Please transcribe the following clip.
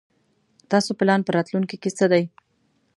تاسو پلان په راتلوونکي کې څه دی ؟